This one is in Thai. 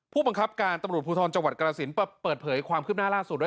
ผู้บังคับการตำรวจภูทรจังหวัดกรสินเปิดเผยความคืบหน้าล่าสุดด้วย